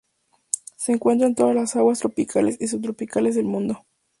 Se encuentra en todas las aguas tropicales y sub-tropicales del mundo.